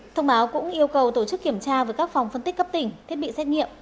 thông báo cũng yêu cầu tổ chức kiểm tra với các phòng phân tích cấp tỉnh thiết bị xét nghiệm